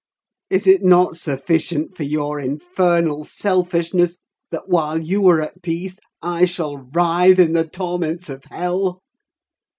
Is it not sufficient for your infernal selfishness, that while you are at peace I shall writhe in the torments of hell?"